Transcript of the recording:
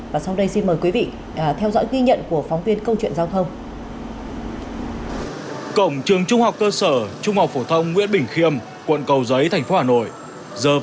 và sau đây xin mời quý vị theo dõi ghi nhận của phóng viên câu chuyện giao thông